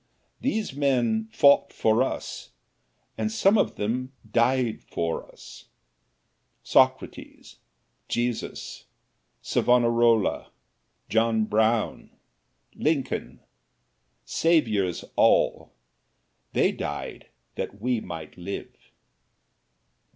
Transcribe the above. These men fought for us, and some of them died for us Socrates, Jesus, Savonarola, John Brown, Lincoln saviors all they died that we might live.